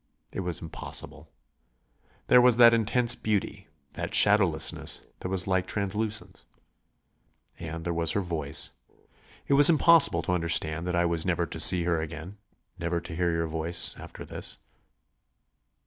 It was impossible. There was that intense beauty, that shadowlessness that was like translucence. And there was her voice. It was impossible to understand that I was never to see her again, never to hear her voice, after this.